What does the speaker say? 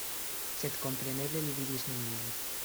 Sed kompreneble li vidis neniun.